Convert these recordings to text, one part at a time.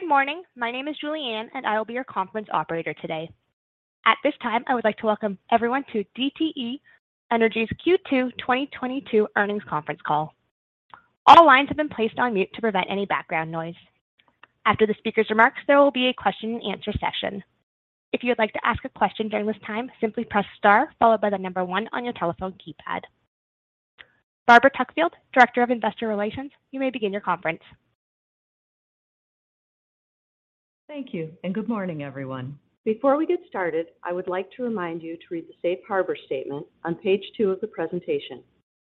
Good morning. My name is Julianne, and I will be your conference operator today. At this time, I would like to welcome everyone to DTE Energy's Q2 2022 earnings conference call. All lines have been placed on mute to prevent any background noise. After the speaker's remarks, there will be a question-and-answer session. If you would like to ask a question during this time, simply press star followed by the number one on your telephone keypad. Barbara Tuckfield, Director of Investor Relations, you may begin your conference. Thank you, and good morning, everyone. Before we get started, I would like to remind you to read the safe harbor statement on page 2 of the presentation,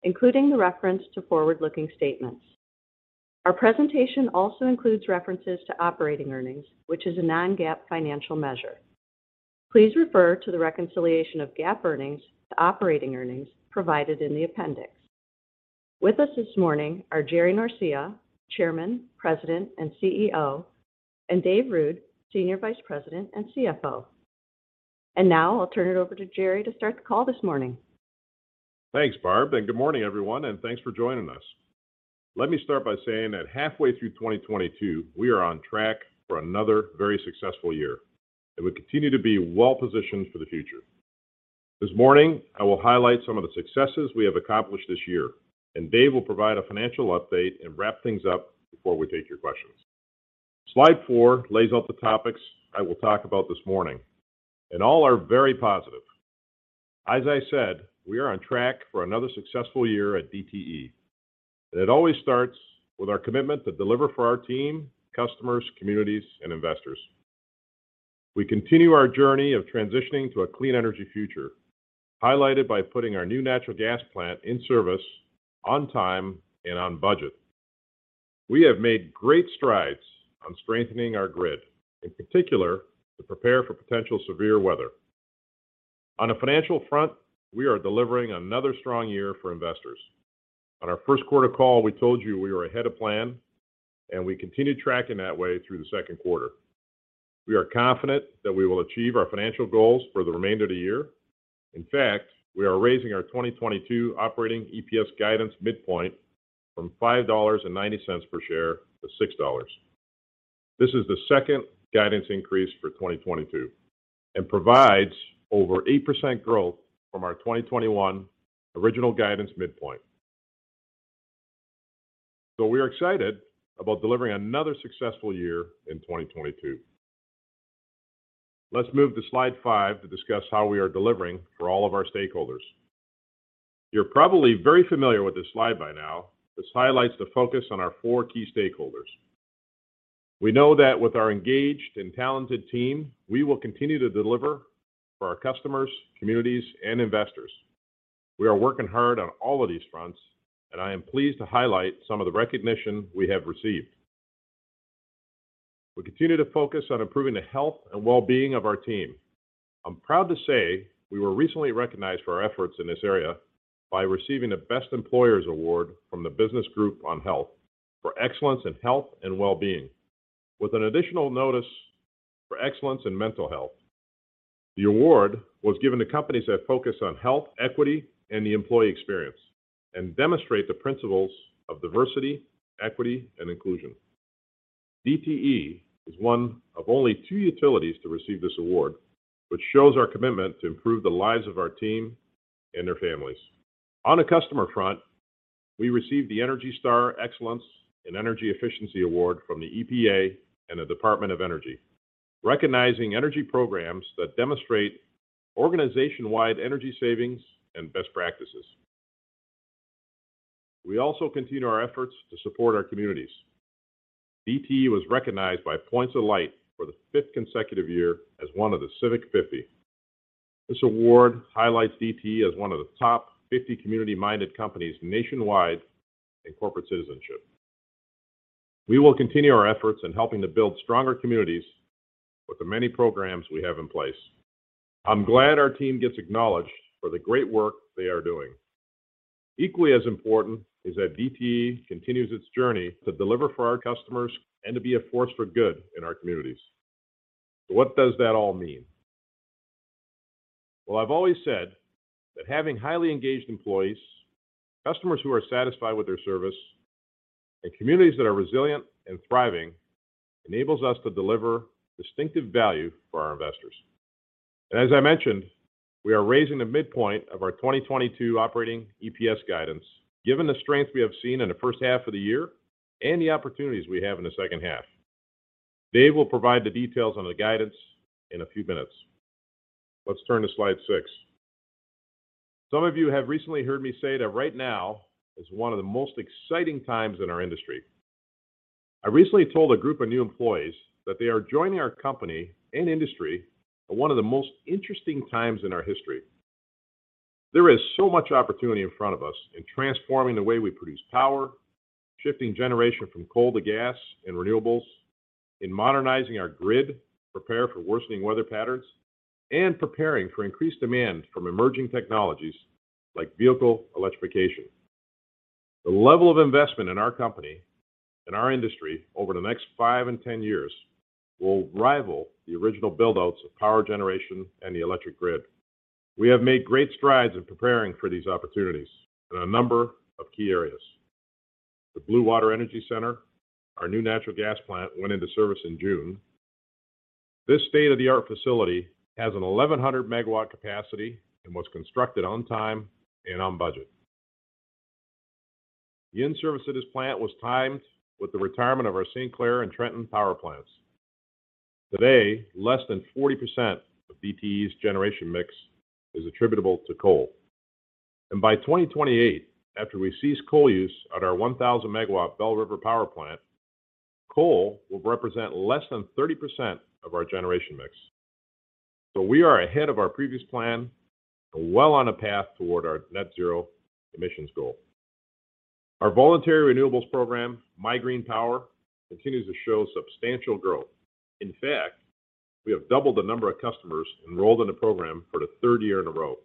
including the reference to forward-looking statements. Our presentation also includes references to operating earnings, which is a non-GAAP financial measure. Please refer to the reconciliation of GAAP earnings to operating earnings provided in the appendix. With us this morning are Jerry Norcia, Chairman, President, and CEO, and Dave Ruud, Senior Vice President and CFO. Now I'll turn it over to Jerry to start the call this morning. Thanks, Barb, and good morning, everyone, and thanks for joining us. Let me start by saying that halfway through 2022, we are on track for another very successful year, and we continue to be well-positioned for the future. This morning, I will highlight some of the successes we have accomplished this year, and Dave will provide a financial update and wrap things up before we take your questions. Slide 4 lays out the topics I will talk about this morning, and all are very positive. As I said, we are on track for another successful year at DTE. It always starts with our commitment to deliver for our team, customers, communities, and investors. We continue our journey of transitioning to a clean energy future, highlighted by putting our new natural gas plant in service on time and on budget. We have made great strides on strengthening our grid, in particular to prepare for potential severe weather. On a financial front, we are delivering another strong year for investors. On our first quarter call, we told you we were ahead of plan, and we continued tracking that way through the second quarter. We are confident that we will achieve our financial goals for the remainder of the year. In fact, we are raising our 2022 operating EPS guidance midpoint from $5.90 per share to $6. This is the second guidance increase for 2022 and provides over 8% growth from our 2021 original guidance midpoint. We are excited about delivering another successful year in 2022. Let's move to slide 5 to discuss how we are delivering for all of our stakeholders. You're probably very familiar with this slide by now. This highlights the focus on our four key stakeholders. We know that with our engaged and talented team, we will continue to deliver for our customers, communities, and investors. We are working hard on all of these fronts, and I am pleased to highlight some of the recognition we have received. We continue to focus on improving the health and well-being of our team. I'm proud to say we were recently recognized for our efforts in this area by receiving the Best Employers Award from the Business Group on Health for excellence in health and well-being with an additional notice for excellence in mental health. The award was given to companies that focus on health, equity, and the employee experience and demonstrate the principles of diversity, equity, and inclusion. DTE is one of only two utilities to receive this award, which shows our commitment to improve the lives of our team and their families. On a customer front, we received the ENERGY STAR Excellence in Energy Efficiency Award from the EPA and the Department of Energy, recognizing energy programs that demonstrate organization-wide energy savings and best practices. We also continue our efforts to support our communities. DTE was recognized by Points of Light for the fifth consecutive year as one of the Civic 50. This award highlights DTE as one of the top 50 community-minded companies nationwide in corporate citizenship. We will continue our efforts in helping to build stronger communities with the many programs we have in place. I'm glad our team gets acknowledged for the great work they are doing. Equally as important is that DTE continues its journey to deliver for our customers and to be a force for good in our communities. What does that all mean? Well, I've always said that having highly engaged employees, customers who are satisfied with their service, and communities that are resilient and thriving enables us to deliver distinctive value for our investors. As I mentioned, we are raising the midpoint of our 2022 operating EPS guidance given the strength we have seen in the first half of the year and the opportunities we have in the second half. Dave will provide the details on the guidance in a few minutes. Let's turn to slide 6. Some of you have recently heard me say that right now is one of the most exciting times in our industry. I recently told a group of new employees that they are joining our company and industry at one of the most interesting times in our history. There is so much opportunity in front of us in transforming the way we produce power, shifting generation from coal to gas and renewables, in modernizing our grid to prepare for worsening weather patterns, and preparing for increased demand from emerging technologies like vehicle electrification. The level of investment in our company and our industry over the next five and 10 years will rival the original build-outs of power generation and the electric grid. We have made great strides in preparing for these opportunities in a number of key areas. The Blue Water Energy Center, our new natural gas plant, went into service in June. This state-of-the-art facility has a 1,100 MW capacity and was constructed on time and on budget. The in-service of this plant was timed with the retirement of our St. Clair and Trenton power plants. Today, less than 40% of DTE's generation mix is attributable to coal. By 2028, after we cease coal use at our 1,000 MW Belle River power plant, coal will represent less than 30% of our generation mix. We are ahead of our previous plan and well on a path toward our net zero emissions goal. Our voluntary renewables program, MIGreenPower, continues to show substantial growth. In fact, we have doubled the number of customers enrolled in the program for the third year in a row.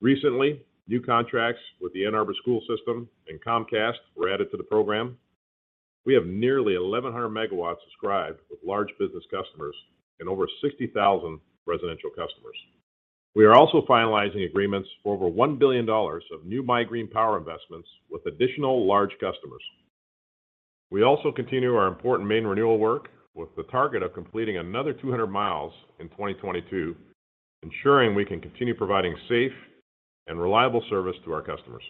Recently, new contracts with the Ann Arbor school system and Comcast were added to the program. We have nearly 1,100 MW subscribed with large business customers and over 60,000 residential customers. We are also finalizing agreements for over $1 billion of new MIGreenPower investments with additional large customers. We also continue our important main renewal work with the target of completing another 200 mi in 2022, ensuring we can continue providing safe and reliable service to our customers.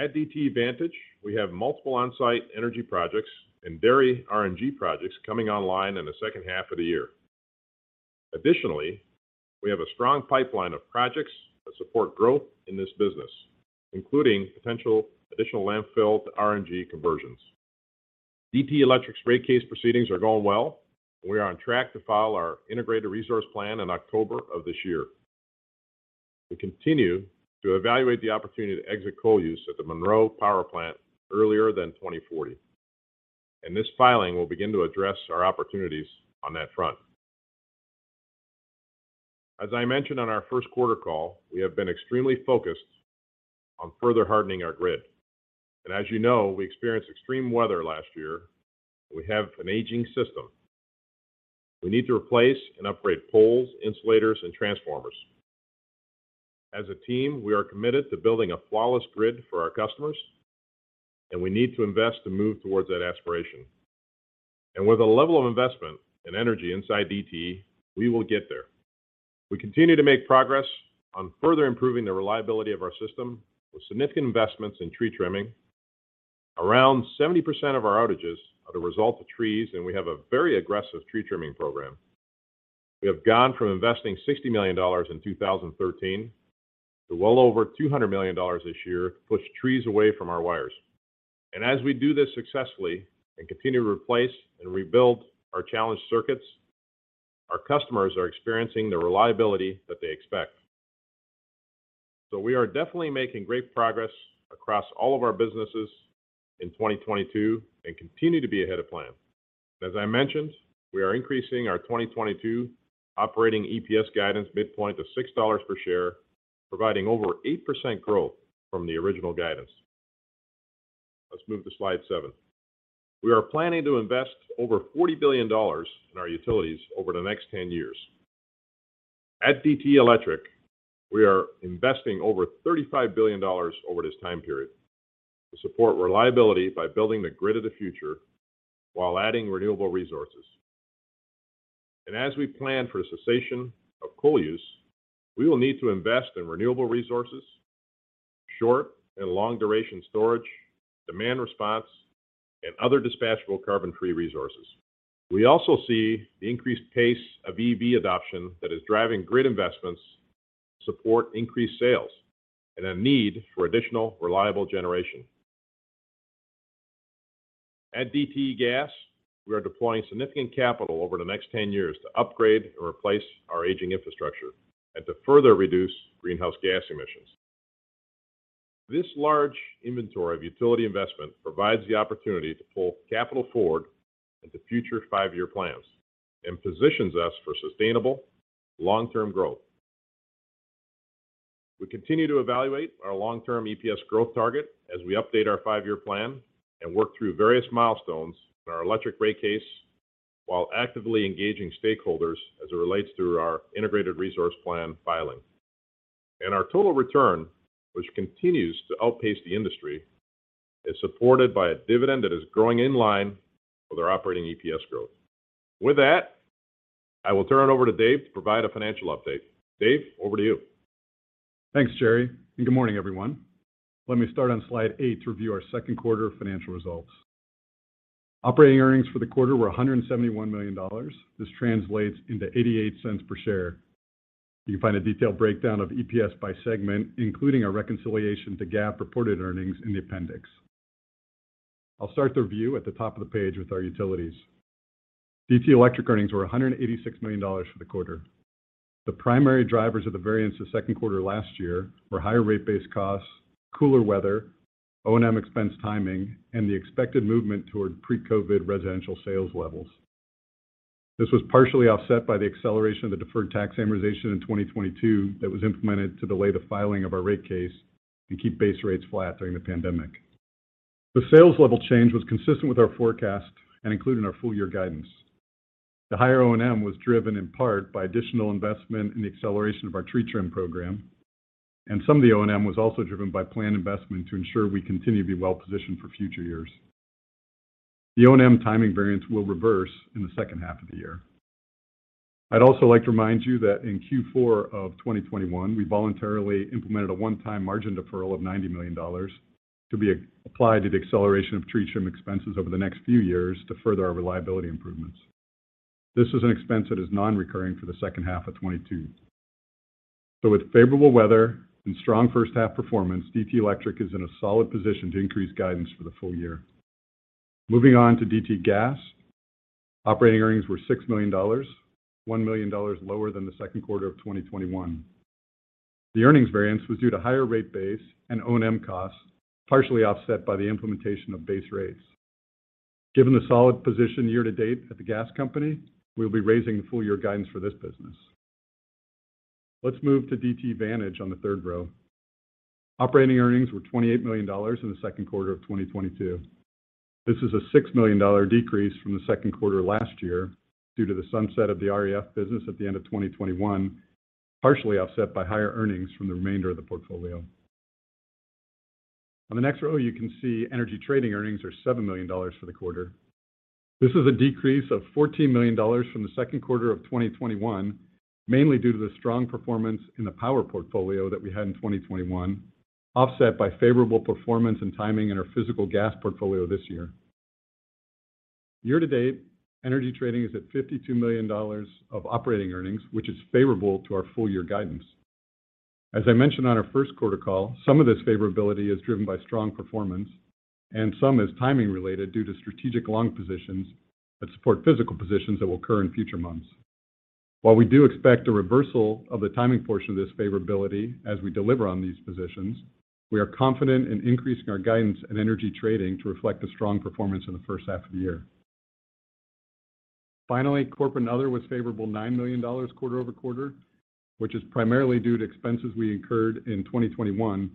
At DTE Vantage, we have multiple on-site energy projects and dairy RNG projects coming online in the second half of the year. Additionally, we have a strong pipeline of projects that support growth in this business, including potential additional landfill to RNG conversions. DTE Electric's rate case proceedings are going well, and we are on track to file our integrated resource plan in October of this year. We continue to evaluate the opportunity to exit coal use at the Monroe Power Plant earlier than 2040, and this filing will begin to address our opportunities on that front. As I mentioned on our first quarter call, we have been extremely focused on further hardening our grid. As you know, we experienced extreme weather last year, and we have an aging system. We need to replace and upgrade poles, insulators, and transformers. As a team, we are committed to building a flawless grid for our customers, and we need to invest to move towards that aspiration. With a level of investment and energy inside DTE, we will get there. We continue to make progress on further improving the reliability of our system with significant investments in Tree Trimming. Around 70% of our outages are the result of trees, and we have a very aggressive tree trimming program. We have gone from investing $60 million in 2013 to well over $200 million this year to push trees away from our wires. As we do this successfully and continue to replace and rebuild our challenged circuits, our customers are experiencing the reliability that they expect. We are definitely making great progress across all of our businesses in 2022 and continue to be ahead of plan. As I mentioned, we are increasing our 2022 operating EPS guidance midpoint to $6 per share, providing over 8% growth from the original guidance. Let's move to slide 7. We are planning to invest over $40 billion in our utilities over the next 10 years. At DTE Electric, we are investing over $35 billion over this time period to support reliability by building the grid of the future while adding renewable resources. As we plan for a cessation of coal use, we will need to invest in renewable resources, short and long duration storage, demand response, and other dispatchable carbon-free resources. We also see the increased pace of EV adoption that is driving grid investments to support increased sales and a need for additional reliable generation. At DTE Gas, we are deploying significant capital over the next 10 years to upgrade and replace our aging infrastructure and to further reduce greenhouse gas emissions. This large inventory of utility investment provides the opportunity to pull capital forward into future five-year plans and positions us for sustainable long-term growth. We continue to evaluate our long-term EPS growth target as we update our five-year plan and work through various milestones in our electric rate case while actively engaging stakeholders as it relates to our integrated resource plan filing. Our total return, which continues to outpace the industry, is supported by a dividend that is growing in line with our operating EPS growth. With that, I will turn it over to Dave to provide a financial update. Dave, over to you. Thanks, Jerry, and good morning, everyone. Let me start on slide 8 to review our second quarter financial results. Operating earnings for the quarter were $171 million. This translates into $0.88 per share. You can find a detailed breakdown of EPS by segment, including a reconciliation to GAAP reported earnings in the appendix. I'll start the review at the top of the page with our utilities. DTE Electric earnings were $186 million for the quarter. The primary drivers of the variance versus second quarter last year were higher rate base costs, cooler weather, O&M expense timing, and the expected movement toward pre-COVID residential sales levels. This was partially offset by the acceleration of the deferred tax amortization in 2022 that was implemented to delay the filing of our rate case and keep base rates flat during the pandemic. The sales level change was consistent with our forecast and included in our full-year guidance. The higher O&M was driven in part by additional investment in the acceleration of our tree trim program, and some of the O&M was also driven by planned investment to ensure we continue to be well positioned for future years. The O&M timing variance will reverse in the second half of the year. I'd also like to remind you that in Q4 of 2021, we voluntarily implemented a one-time margin deferral of $90 million to be applied to the acceleration of tree trim expenses over the next few years to further our reliability improvements. This is an expense that is non-recurring for the second half of 2022. With favorable weather and strong first half performance, DTE Electric is in a solid position to increase guidance for the full year. Moving on to DTE Gas. Operating earnings were $6 million, $1 million lower than the second quarter of 2021. The earnings variance was due to higher rate base and O&M costs, partially offset by the implementation of base rates. Given the solid position year to date at the gas company, we'll be raising the full year guidance for this business. Let's move to DTE Vantage on the third row. Operating earnings were $28 million in the second quarter of 2022. This is a $6 million decrease from the second quarter last year due to the sunset of the REF business at the end of 2021, partially offset by higher earnings from the remainder of the portfolio. On the next row, you can see Energy Trading earnings are $7 million for the quarter. This is a decrease of $14 million from the second quarter of 2021, mainly due to the strong performance in the power portfolio that we had in 2021, offset by favorable performance and timing in our physical gas portfolio this year. Year to date, Energy Trading is at $52 million of operating earnings, which is favorable to our full year guidance. As I mentioned on our first quarter call, some of this favorability is driven by strong performance, and some is timing related due to strategic long positions that support physical positions that will occur in future months. While we do expect a reversal of the timing portion of this favorability as we deliver on these positions, we are confident in increasing our guidance in Energy Trading to reflect the strong performance in the first half of the year. Finally, Corporate and Other was favorable $9 million quarter-over-quarter, which is primarily due to expenses we incurred in 2021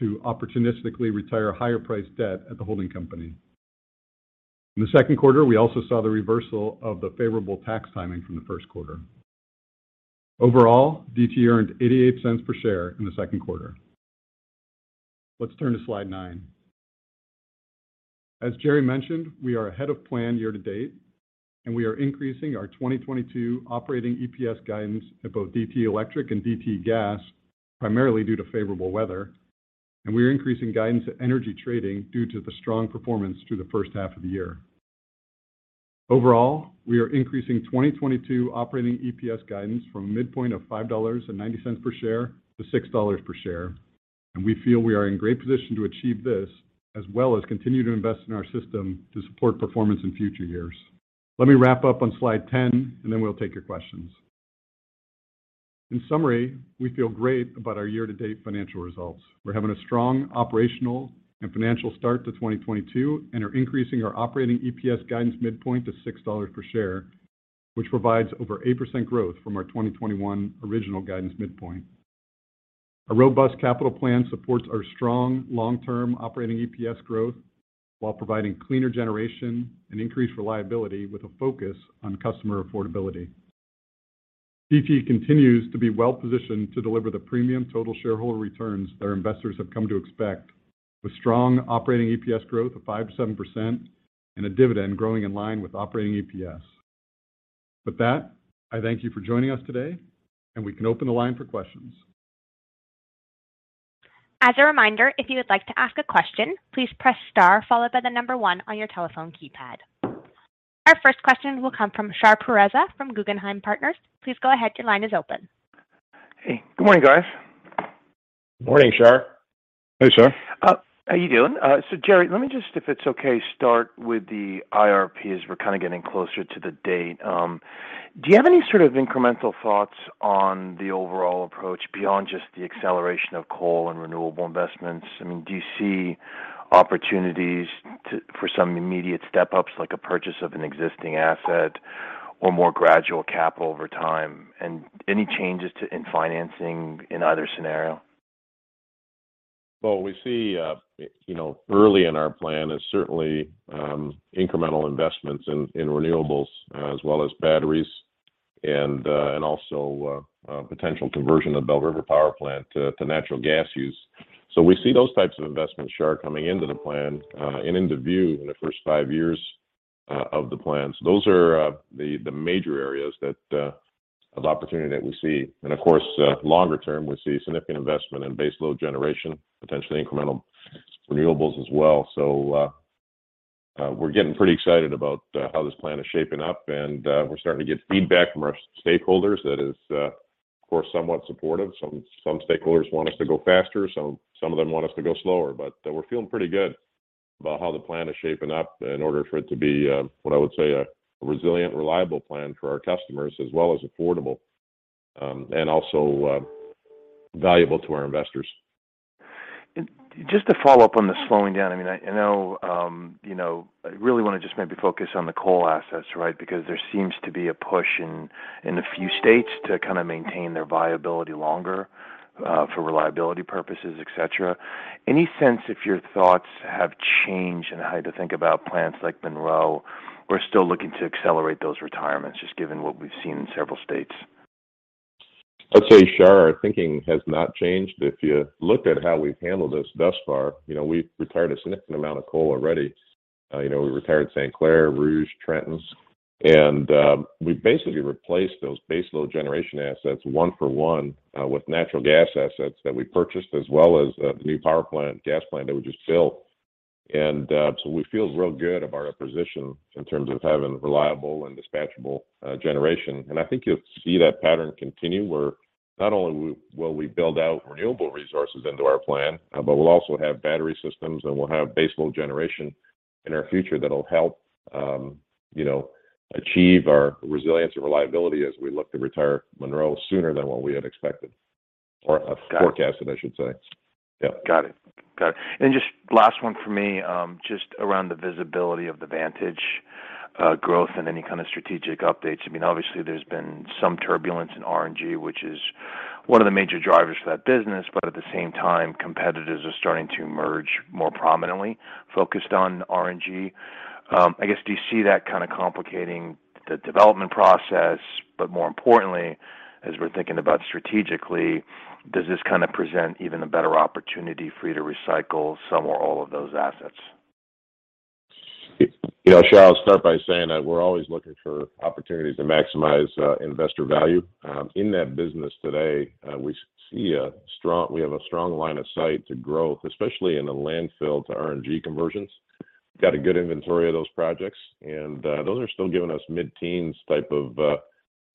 to opportunistically retire higher-priced debt at the holding company. In the second quarter, we also saw the reversal of the favorable tax timing from the first quarter. Overall, DTE earned $0.88 per share in the second quarter. Let's turn to slide 9. As Jerry mentioned, we are ahead of plan year-to-date, and we are increasing our 2022 operating EPS guidance at both DTE Electric and DTE Gas, primarily due to favorable weather. We are increasing guidance at Energy Trading due to the strong performance through the first half of the year. Overall, we are increasing 2022 operating EPS guidance from a midpoint of $5.90 per share to $6 per share. We feel we are in great position to achieve this, as well as continue to invest in our system to support performance in future years. Let me wrap up on slide 10, and then we'll take your questions. In summary, we feel great about our year-to-date financial results. We're having a strong operational and financial start to 2022 and are increasing our operating EPS guidance midpoint to $6 per share, which provides over 8% growth from our 2021 original guidance midpoint. A robust capital plan supports our strong long-term operating EPS growth while providing cleaner generation and increased reliability with a focus on customer affordability. DTE continues to be well-positioned to deliver the premium total shareholder returns that our investors have come to expect, with strong operating EPS growth of 5%-7% and a dividend growing in line with operating EPS. With that, I thank you for joining us today, and we can open the line for questions. As a reminder, if you would like to ask a question, please press star followed by the number one on your telephone keypad. Our first question will come from Shar Pourreza from Guggenheim Partners. Please go ahead. Your line is open. Hey, good morning, guys. Morning, Shar. Hey, Shar. How you doing? Jerry, let me just, if it's okay, start with the IRP as we're kind of getting closer to the date. Do you have any sort of incremental thoughts on the overall approach beyond just the acceleration of coal and renewable investments? I mean, do you see opportunities for some immediate step-ups, like a purchase of an existing asset or more gradual capital over time, and any changes in financing in either scenario? Well, we see you know early in our plan is certainly incremental investments in renewables as well as batteries and also potential conversion of Belle River Power Plant to natural gas use. We see those types of investments, Shar, coming into the plan and into view in the first five years of the plan. Those are the major areas of opportunity that we see. Of course longer term, we see significant investment in baseload generation, potentially incremental renewables as well. We're getting pretty excited about how this plan is shaping up, and we're starting to get feedback from our stakeholders that is of course somewhat supportive. Some stakeholders want us to go faster, some of them want us to go slower. We're feeling pretty good about how the plan is shaping up in order for it to be what I would say a resilient, reliable plan for our customers, as well as affordable, and also valuable to our investors. Just to follow up on the slowing down, I mean, I know, you know, I really wanna just maybe focus on the coal assets, right? Because there seems to be a push in a few states to kinda maintain their viability longer, for reliability purposes, et cetera. Any sense if your thoughts have changed in how to think about plants like Monroe? We're still looking to accelerate those retirements, just given what we've seen in several states. I'd say, Shar, our thinking has not changed. If you looked at how we've handled this thus far, you know, we've retired a significant amount of coal already. You know, we retired St. Clair, River Rouge, Trenton, and we basically replaced those base load generation assets one for one with natural gas assets that we purchased, as well as the new power plant, gas plant that we just built. We feel real good about our position in terms of having reliable and dispatchable generation. I think you'll see that pattern continue where not only will we build out renewable resources into our plan, but we'll also have battery systems, and we'll have base load generation in our future that'll help you know, achieve our resilience and reliability as we look to retire Monroe sooner than what we had expected. Got it. Forecasted, I should say. Yep. Got it. Just last one for me, just around the visibility of the Vantage growth and any kind of strategic updates. I mean, obviously, there's been some turbulence in RNG, which is one of the major drivers for that business. At the same time, competitors are starting to emerge more prominently focused on RNG. I guess, do you see that kinda complicating the development process? More importantly, as we're thinking about strategically, does this kinda present even a better opportunity for you to recycle some or all of those assets? You know, Shar, I'll start by saying that we're always looking for opportunities to maximize investor value. In that business today, we have a strong line of sight to growth, especially in the landfill to RNG conversions. Got a good inventory of those projects, and those are still giving us mid-teens type of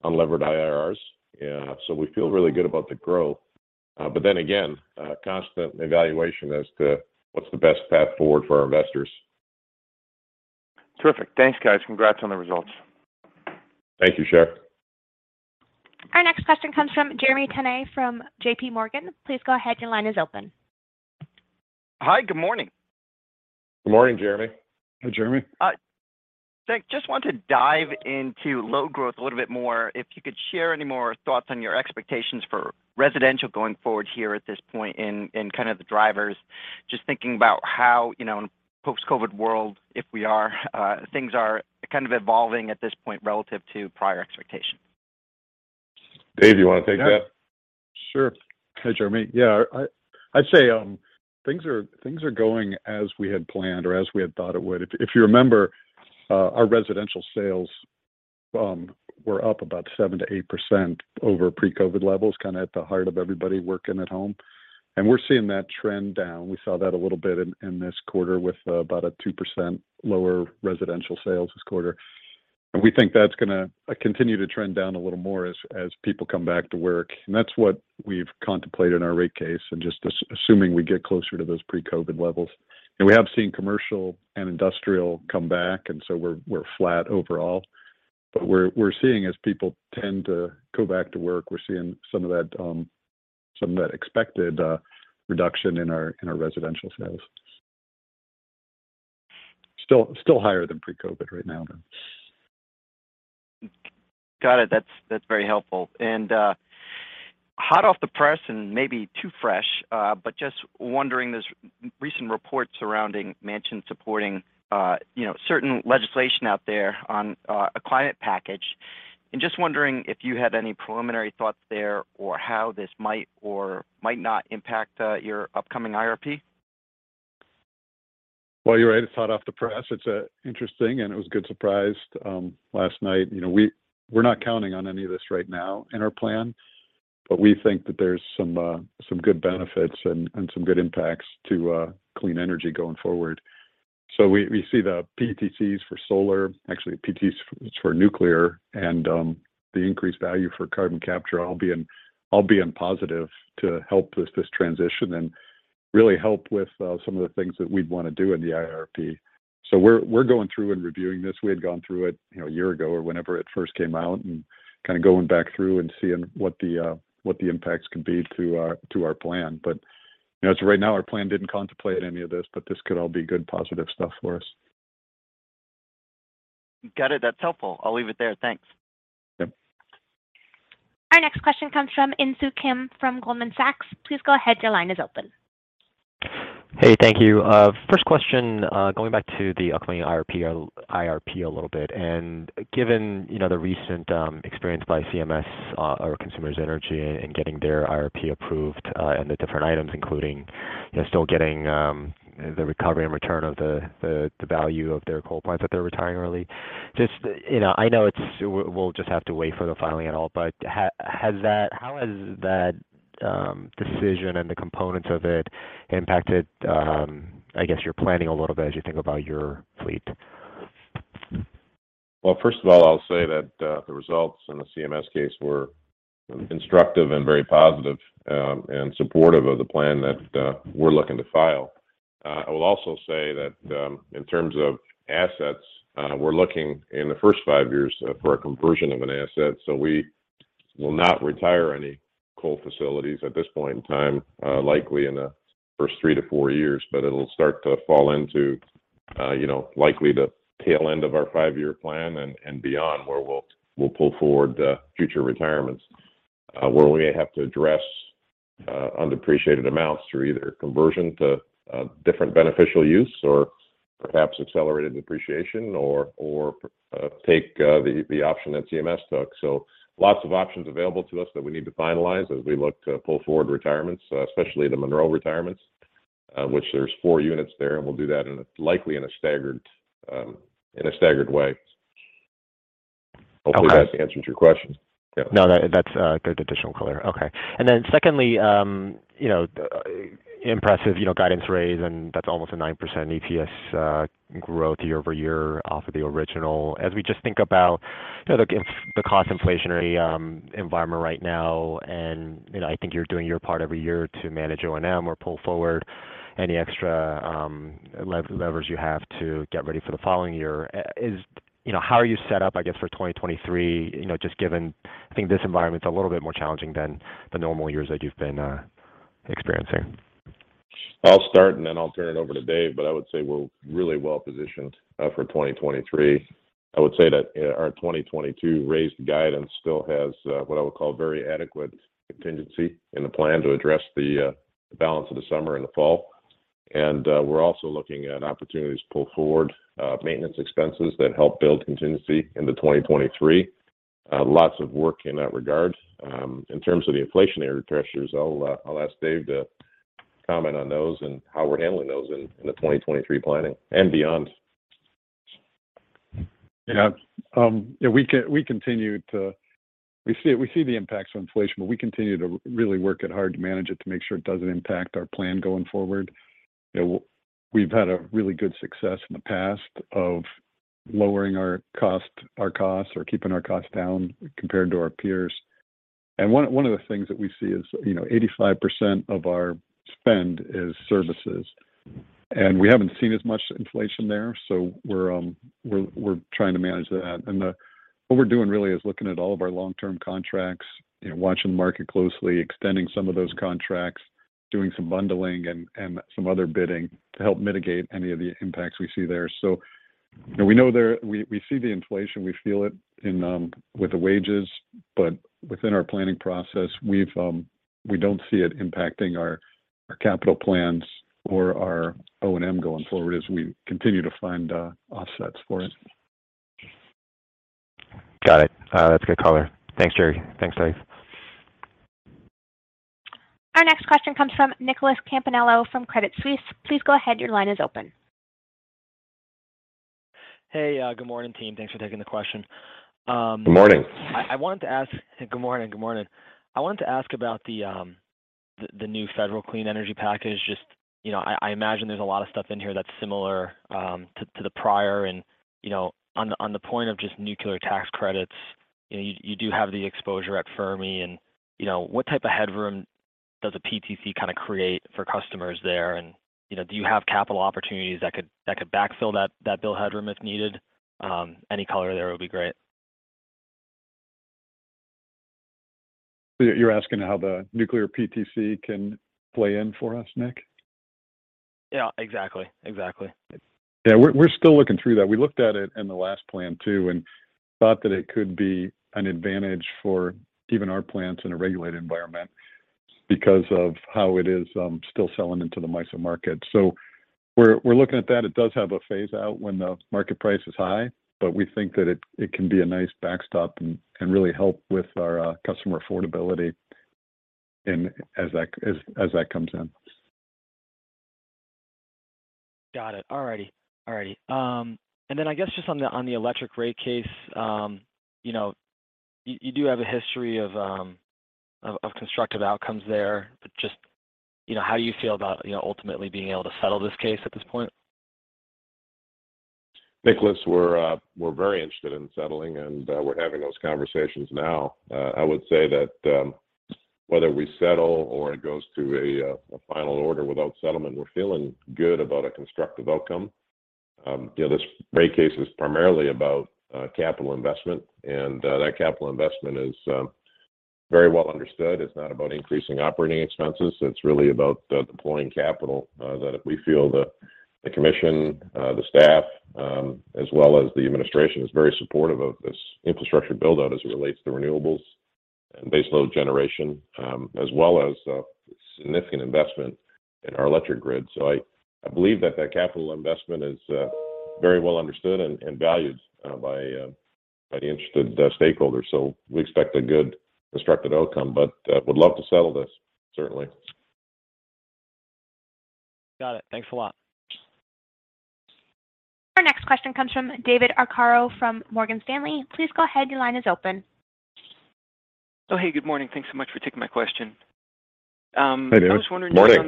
unlevered IRRs. Yeah, so we feel really good about the growth. A constant evaluation as to what's the best path forward for our investors. Terrific. Thanks, guys. Congrats on the results. Thank you, Shar. Our next question comes from Jeremy Tonet from J.P. Morgan. Please go ahead, your line is open. Hi, good morning. Good morning, Jeremy. Hi, Jeremy. Just want to dive into load growth a little bit more. If you could share any more thoughts on your expectations for residential going forward here at this point and kind of the drivers. Just thinking about how, you know, in a post-COVID world, if we are things are kind of evolving at this point relative to prior expectations. Dave, you wanna take that? Sure. Hi, Jeremy. Yeah. I'd say things are going as we had planned or as we had thought it would. If you remember, our residential sales were up about 7%-8% over pre-COVID levels, kinda at the height of everybody working at home. We're seeing that trend down. We saw that a little bit in this quarter with about a 2% lower residential sales this quarter. We think that's gonna continue to trend down a little more as people come back to work. That's what we've contemplated in our rate case and just assuming we get closer to those pre-COVID levels. We have seen commercial and industrial come back, and so we're flat overall. We're seeing as people tend to go back to work, we're seeing some of that expected reduction in our residential sales. Still higher than pre-COVID right now, though. Got it. That's very helpful. Hot off the press and maybe too fresh, but just wondering this recent report surrounding MANCHIN supporting, you know, certain legislation out there on a climate package. Just wondering if you had any preliminary thoughts there or how this might or might not impact your upcoming IRP? Well, you're right. It's hot off the press. It's interesting, and it was a good surprise last night. You know, we're not counting on any of this right now in our plan, but we think that there's some good benefits and some good impacts to clean energy going forward. We see the PTCs for Solar, actually PTCs for Nuclear and the increased value for carbon capture all being positive to help with this transition and really help with some of the things that we'd wanna do in the IRP. We're going through and reviewing this. We had gone through it, you know, a year ago or whenever it first came out and kinda going back through and seeing what the impacts could be to our plan. You know, as of right now, our plan didn't contemplate any of this, but this could all be good positive stuff for us. Got it. That's helpful. I'll leave it there. Thanks. Yeah. Our next question comes from Insoo Kim from Goldman Sachs. Please go ahead, your line is open. Hey, thank you. First question, going back to the upcoming IRP a little bit. Given, you know, the recent experience by CMS or Consumers Energy in getting their IRP approved, and the different items, including, you know, still getting the recovery and return of the value of their coal plants that they're retiring early. Just, you know, I know we'll just have to wait for the filing and all, but how has that decision and the components of it impacted, I guess, your planning a little bit as you think about your fleet? Well, first of all, I'll say that the results in the CMS case were instructive and very positive and supportive of the plan that we're looking to file. I will also say that in terms of assets, we're looking in the first five years for a conversion of an asset. We'll not retire any coal facilities at this point in time, likely in the first three to four years, but it'll start to fall into you know, likely the tail end of our five-year plan and beyond, where we'll pull forward the future retirements where we have to address undepreciated amounts through either conversion to a different beneficial use or perhaps accelerated depreciation or take the option that CMS took. Lots of options available to us that we need to finalize as we look to pull forward retirements, especially the Monroe retirements, which there's four units there, and we'll do that likely in a staggered way. Okay. Hopefully that answers your question. Yeah. No, that's good additional color. Okay. Then secondly, you know, impressive, you know, guidance raise, and that's almost a 9% EPS growth year-over-year off of the original. As we just think about, you know, the cost inflationary environment right now, and, you know, I think you're doing your part every year to manage O&M or pull forward any extra levers you have to get ready for the following year. How are you set up, I guess, for 2023? You know, just given, I think this environment's a little bit more challenging than the normal years that you've been experiencing. I'll start, and then I'll turn it over to Dave. I would say we're really well-positioned for 2023. I would say that, you know, our 2022 raised guidance still has what I would call very adequate contingency in the plan to address the balance of the summer and the fall. We're also looking at opportunities to pull forward maintenance expenses that help build contingency into 2023. Lots of work in that regard. In terms of the inflationary pressures, I'll ask Dave to comment on those and how we're handling those in the 2023 planning and beyond. Yeah, we continue to see the impacts of inflation, but we continue to really work it hard to manage it to make sure it doesn't impact our plan going forward. You know, we've had a really good success in the past of lowering our costs or keeping our costs down compared to our peers. One of the things that we see is, you know, 85% of our spend is services, and we haven't seen as much inflation there. We're trying to manage that. What we're doing really is looking at all of our long-term contracts, you know, watching the market closely, extending some of those contracts, doing some bundling and some other bidding to help mitigate any of the impacts we see there. You know, we know we see the inflation, we feel it in with the wages, but within our planning process, we don't see it impacting our capital plans or our O&M going forward as we continue to find offsets for it. Got it. That's a good color. Thanks, Jerry. Thanks, Dave. Our next question comes from Nicholas Campanella from Credit Suisse. Please go ahead. Your line is open. Hey, good morning, team. Thanks for taking the question. Good morning. I wanted to ask. Good morning. I wanted to ask about the new federal clean energy package. Just, you know, I imagine there's a lot of stuff in here that's similar to the prior and, you know, on the point of just nuclear tax credits, you know, you do have the exposure at Fermi and, you know, what type of headroom does a PTC kinda create for customers there? You know, do you have capital opportunities that could backfill that bill headroom if needed? Any color there would be great. You're asking how the Nuclear PTC can play in for us, Nick? Yeah, exactly. Exactly. Yeah, we're still looking through that. We looked at it in the last plan too and thought that it could be an advantage for even our plants in a regulated environment because of how it is still selling into the MISO market. We're looking at that. It does have a phase-out when the market price is high, but we think that it can be a nice backstop and really help with our customer affordability in as that comes in. Got it. All right. I guess just on the electric rate case, you know, you do have a history of constructive outcomes there, but just, you know, how you feel about ultimately being able to settle this case at this point? Nicholas, we're very interested in settling, and we're having those conversations now. I would say that whether we settle or it goes to a final order without settlement, we're feeling good about a constructive outcome. You know, this rate case is primarily about capital investment, and that capital investment is very well understood. It's not about increasing operating expenses, it's really about deploying capital that we feel the commission, the staff, as well as the administration is very supportive of this infrastructure build-out as it relates to renewables and base load generation, as well as significant investment in our electric grid. I believe that capital investment is very well understood and valued by the interested stakeholders. We expect a good constructive outcome, but would love to settle this certainly. Got it. Thanks a lot. Our next question comes from David Arcaro from Morgan Stanley. Please go ahead, your line is open. Oh, hey, good morning. Thanks so much for taking my question. Hey, Dave. Morning. I was wondering just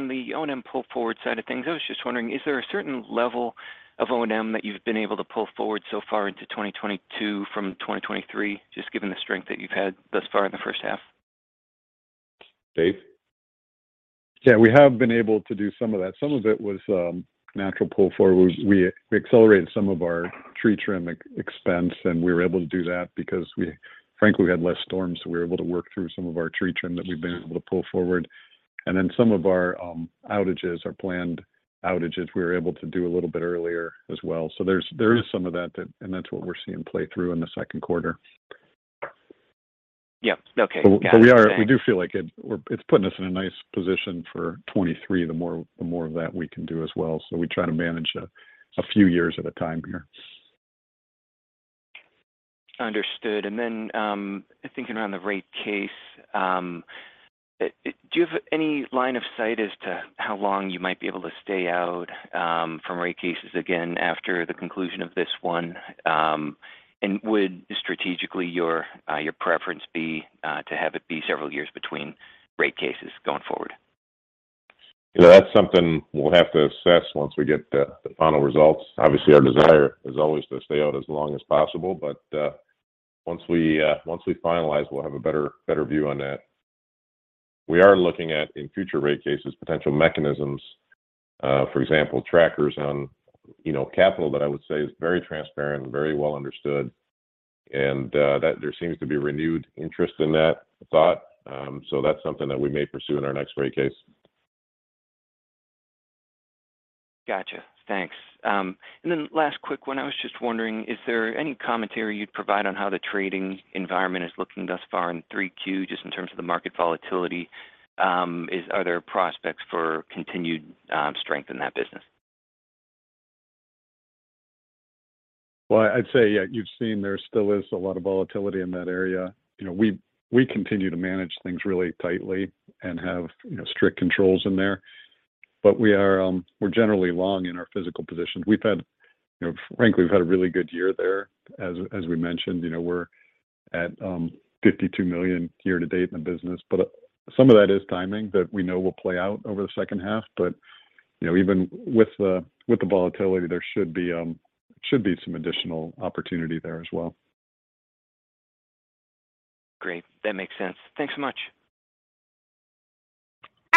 on the O&M pull forward side of things, I was just wondering, is there a certain level of O&M that you've been able to pull forward so far into 2022 from 2023, just given the strength that you've had thus far in the first half? Dave? Yeah, we have been able to do some of that. Some of it was natural pull forward. We accelerated some of our tree trim expense, and we were able to do that because we frankly had less storms. We were able to work through some of our tree trim that we've been able to pull forward. Some of our outages are planned outages, we were able to do a little bit earlier as well. There is some of that, and that's what we're seeing play through in the second quarter. Yeah. Okay. Got it. Thanks. We do feel like it's putting us in a nice position for 2023, the more of that we can do as well. We try to manage a few years at a time here. Understood. Thinking around the rate case, do you have any line of sight as to how long you might be able to stay out from rate cases again after the conclusion of this one? Would strategically your preference be to have it be several years between rate cases going forward? You know, that's something we'll have to assess once we get the final results. Obviously, our desire is always to stay out as long as possible. Once we finalize, we'll have a better view on that. We are looking at, in future rate cases, potential mechanisms, for example, trackers on, you know, capital that I would say is very transparent and very well understood. That there seems to be renewed interest in that thought. That's something that we may pursue in our next rate case. Gotcha. Thanks. Last quick one, I was just wondering, is there any commentary you'd provide on how the trading environment is looking thus far in 3Q, just in terms of the market volatility? Are there prospects for continued strength in that business? Well, I'd say, yeah, you've seen there still is a lot of volatility in that area. You know, we continue to manage things really tightly and have, you know, strict controls in there. But we're generally long in our physical position. We've had, you know, frankly, a really good year there. As we mentioned, you know, we're at $52 million year to date in the business. Some of that is timing that we know will play out over the second half. You know, even with the volatility, there should be some additional opportunity there as well. Great. That makes sense. Thanks so much.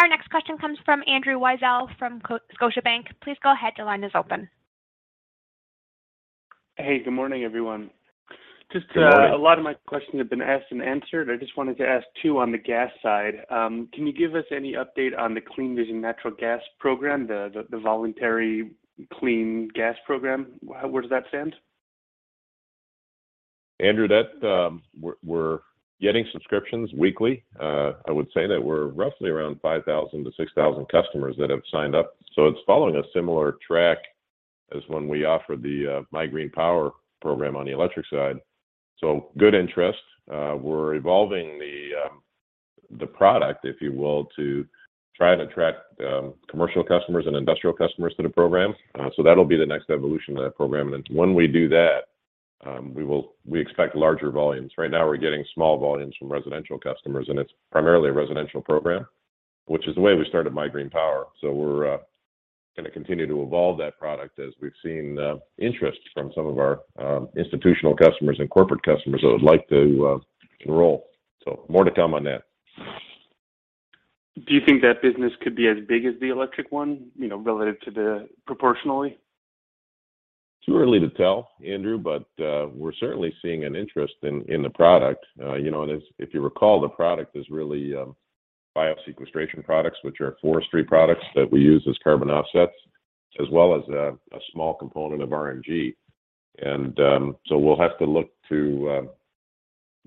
Our next question comes from Andrew Weisel from Scotiabank. Please go ahead. Your line is open. Hey, good morning, everyone. Good morning. Just, a lot of my questions have been asked and answered. I just wanted to ask two on the Gas side. Can you give us any update on the CleanVision Natural Gas Program, the Voluntary Clean Gas Program? Where does that stand? Andrew, that we're getting subscriptions weekly. I would say that we're roughly around 5,000-6,000 customers that have signed up. It's following a similar track as when we offered the MIGreenPower program on the electric side. Good interest. We're evolving the product, if you will, to try and attract commercial customers and industrial customers to the program. That'll be the next evolution of that program. When we do that, we expect larger volumes. Right now, we're getting small volumes from residential customers, and it's primarily a residential program, which is the way we started MIGreenPower. We're gonna continue to evolve that product as we've seen interest from some of our institutional customers and corporate customers that would like to enroll. More to come on that. Do you think that business could be as big as the electric one, you know, relative to the, proportionally? Too early to tell, Andrew, but we're certainly seeing an interest in the product. You know, if you recall, the product is really biosequestration products, which are forestry products that we use as carbon offsets, as well as a small component of RNG. We'll have to look to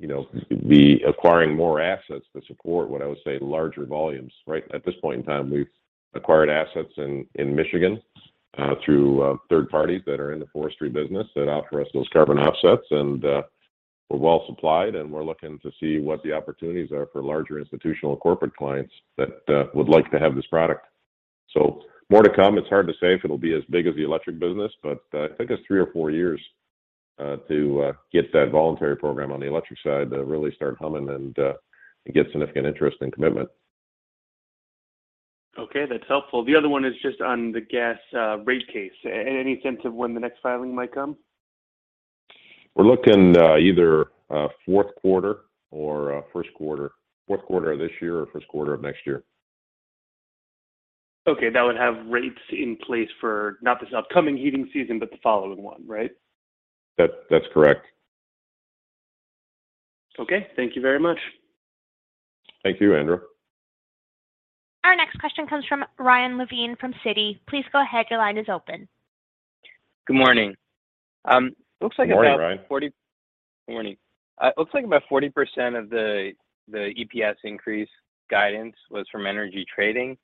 you know be acquiring more assets to support what I would say larger volumes. Right at this point in time, we've acquired assets in Michigan through third parties that are in the forestry business that offer us those carbon offsets. We're well supplied, and we're looking to see what the opportunities are for larger institutional corporate clients that would like to have this product. More to come. It's hard to say if it'll be as big as the electric business, but it took us three to four years to get that voluntary program on the electric side to really start humming and get significant interest and commitment. Okay. That's helpful. The other one is just on the gas rate case. Any sense of when the next filing might come? We're looking at either fourth quarter or first quarter. Fourth quarter of this year or first quarter of next year. Okay. That would have rates in place for not this upcoming heating season, but the following one, right? That's correct. Okay. Thank you very much. Thank you, Andrew. Our next question comes from Ryan Levine from Citi. Please go ahead. Your line is open. Good morning. Good morning, Ryan. Good morning. Looks like about 40% of the EPS increase guidance was from energy trading.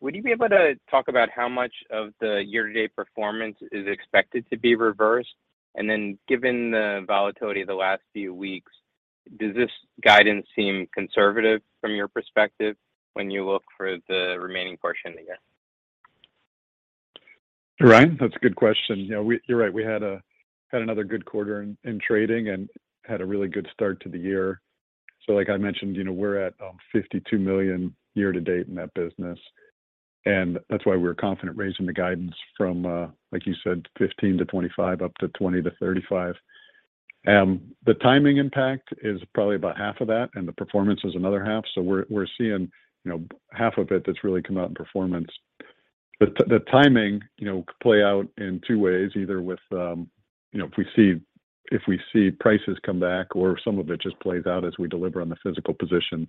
Would you be able to talk about how much of the year-to-date performance is expected to be reversed? And then given the volatility of the last few weeks, does this guidance seem conservative from your perspective when you look for the remaining portion of the year? Ryan, that's a good question. You know, you're right. We had another good quarter in trading and had a really good start to the year. Like I mentioned, you know, we're at $52 million year to date in that business. And that's why we're confident raising the guidance from, like you said, $15-$25 million up to $20-$35 million. The timing impact is probably about half of that, and the performance is another half. We're seeing, you know, half of it that's really come out in performance. The timing, you know, could play out in two ways, either with, you know, if we see prices come back or if some of it just plays out as we deliver on the physical position.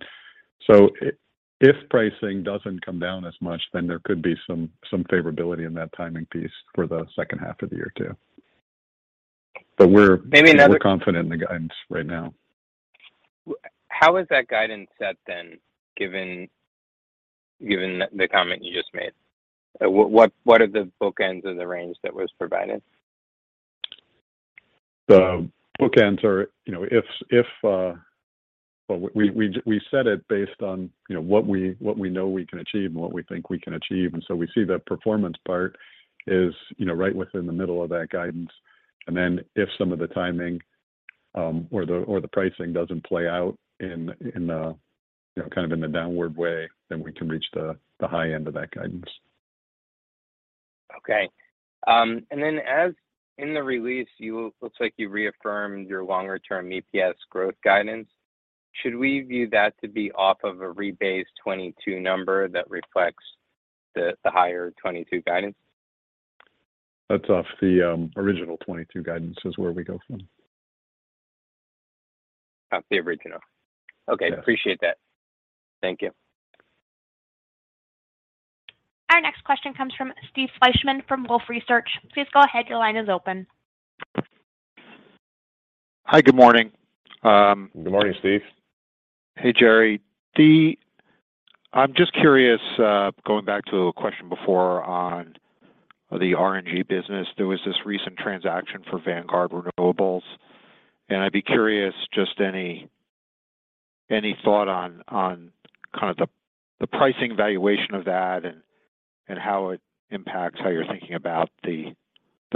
If pricing doesn't come down as much, then there could be some favorability in that timing piece for the second half of the year too. We're Maybe another- You know, we're confident in the guidance right now. How is that guidance set then, given the comment you just made? What are the bookends of the range that was provided? The bookends are, you know, Well, we set it based on, you know, what we know we can achieve and what we think we can achieve. We see the performance part is, you know, right within the middle of that guidance. If some of the timing, or the pricing doesn't play out in the, you know, kind of in the downward way, then we can reach the high end of that guidance. Okay. As in the release, looks like you reaffirmed your longer term EPS growth guidance. Should we view that to be off of a rebased 2022 number that reflects the higher 2022 guidance? That's off the original 2022 guidance is where we go from. Off the original. Yeah. Okay, appreciate that. Thank you. Our next question comes from Steve Fleishman from Wolfe Research. Please go ahead, your line is open. Hi, good morning. Good morning, Steve. Hey, Jerry. I'm just curious, going back to a question before on the RNG business. There was this recent transaction for Vanguard Renewables, and I'd be curious just any thought on kind of the pricing valuation of that and how it impacts how you're thinking about the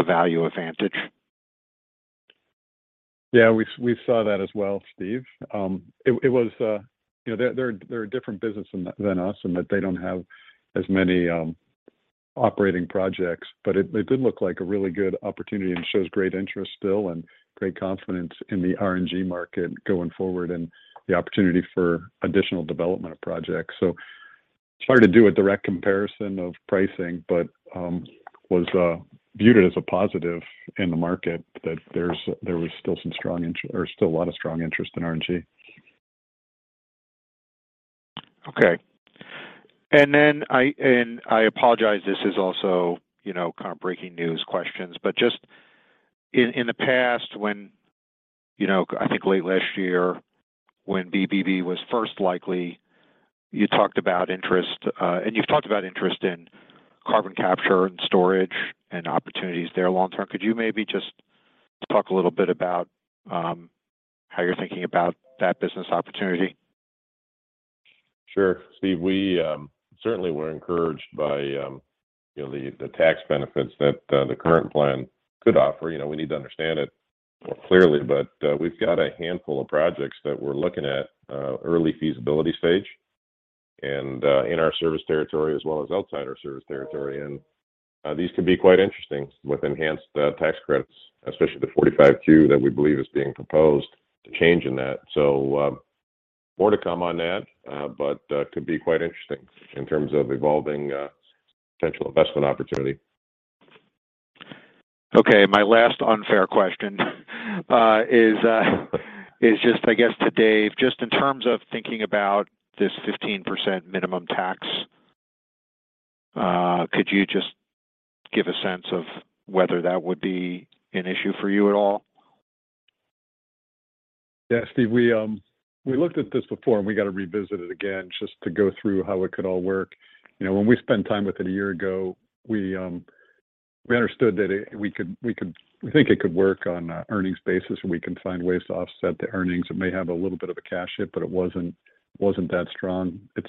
value advantage. Yeah, we saw that as well, Steve. You know, they're a different business than us in that they don't have as many operating projects. It did look like a really good opportunity and shows great interest still and great confidence in the RNG market going forward and the opportunity for additional development of projects. It's hard to do a direct comparison of pricing, but was viewed as a positive in the market that there was still a lot of strong interest in RNG. Okay. Then I apologize, this is also, you know, kind of breaking news questions. But just in the past when, you know, I think late last year when BBB was first likely, you talked about interest, and you've talked about interest in carbon capture and storage and opportunities there long-term. Could you maybe just talk a little bit about how you're thinking about that business opportunity? Sure. Steve, we certainly were encouraged by you know the tax benefits that the current plan could offer. You know, we need to understand it more clearly, but we've got a handful of projects that we're looking at early feasibility stage and in our service territory as well as outside our service territory. These could be quite interesting with enhanced tax credits, especially the 45Q that we believe is being proposed to change in that. More to come on that, but could be quite interesting in terms of evolving potential investment opportunity. Okay, my last unfair question is just I guess to Dave. Just in terms of thinking about this 15% minimum tax, could you just give a sense of whether that would be an issue for you at all? Yeah, Steve. We looked at this before and we got to revisit it again just to go through how it could all work. You know, when we spent time with it a year ago, we understood that we think it could work on an earnings basis, and we can find ways to offset the earnings. It may have a little bit of a cash hit, but it wasn't that strong. We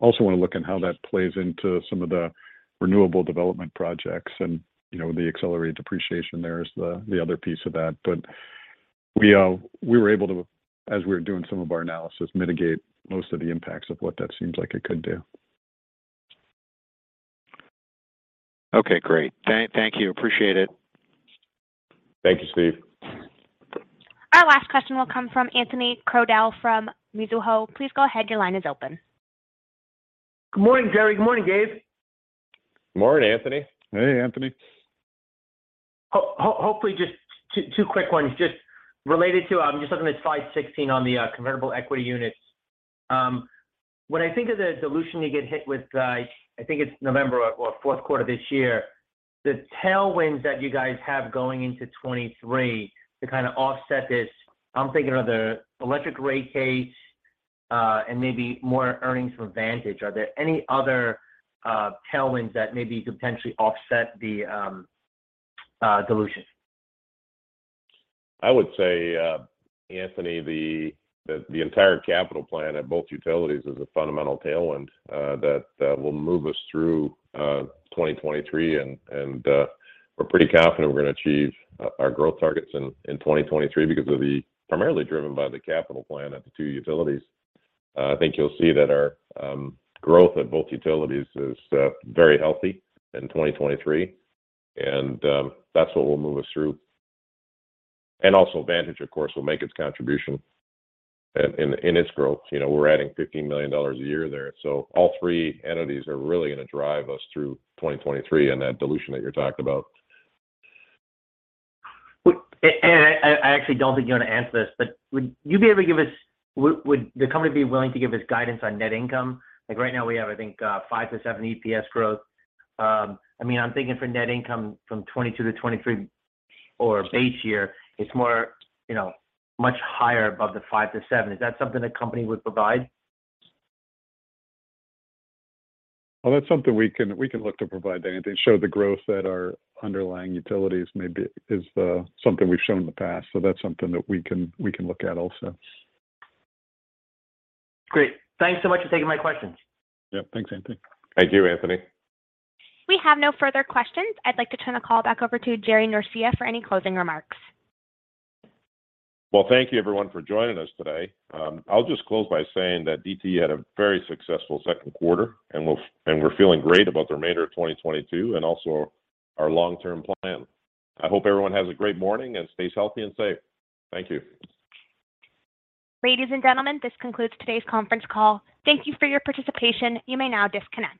also want to look at how that plays into some of the renewable development projects and, you know, the accelerated depreciation there is the other piece of that. We were able to, as we were doing some of our analysis, mitigate most of the impacts of what that seems like it could do. Okay, great. Thank you. Appreciate it. Thank you, Steve. Our last question will come from Anthony Crowdell from Mizuho. Please go ahead, your line is open. Good morning, Jerry. Good morning, Dave. Morning, Anthony. Hey, Anthony. Hopefully just two quick ones just related to just looking at slide 16 on the convertible equity units. When I think of the dilution you get hit with, I think it's November or fourth quarter of this year, the tailwinds that you guys have going into 2023 to kind of offset this, I'm thinking of the electric rate case and maybe more earnings from Vantage. Are there any other tailwinds that maybe could potentially offset the dilution? I would say, Anthony, the entire capital plan at both utilities is a fundamental tailwind that will move us through 2023. We're pretty confident we're gonna achieve our growth targets in 2023 because it'll be primarily driven by the capital plan at the two utilities. I think you'll see that our growth at both utilities is very healthy in 2023, and that's what will move us through. Also Vantage, of course, will make its contribution in its growth. You know, we're adding $15 million a year there. All three entities are really gonna drive us through 2023 and that dilution that you're talking about. I actually don't think you're gonna answer this, but would the company be willing to give its guidance on net income? Like right now we have, I think, 5%-7% EPS growth. I mean, I'm thinking for net income from 2022 to 2023 or base year, it's more, you know, much higher above the 5%-7%. Is that something the company would provide? Well, that's something we can look to provide, Anthony. Show the growth that our underlying utilities something we've shown in the past. That's something we can look at also. Great. Thanks so much for taking my questions. Yeah. Thanks, Anthony. Thank you, Anthony. We have no further questions. I'd like to turn the call back over to Jerry Norcia for any closing remarks. Well, thank you everyone for joining us today. I'll just close by saying that DTE had a very successful second quarter, and we're feeling great about the remainder of 2022 and also our long-term plan. I hope everyone has a great morning and stays healthy and safe. Thank you. Ladies and gentlemen, this concludes today's conference call. Thank you for your participation. You may now disconnect.